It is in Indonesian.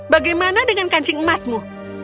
bagaimana dengan kancing emasmu